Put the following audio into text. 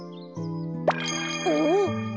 おっ！